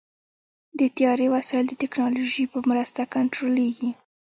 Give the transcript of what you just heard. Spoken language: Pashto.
د طیارې وسایل د ټیکنالوژۍ په مرسته کنټرولېږي.